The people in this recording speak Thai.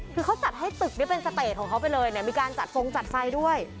คือเขาจัดให้ตึกได้เป็นสเตจของเขาไปเลยเนี่ยมีการจัดฟงจัดไฟด้วย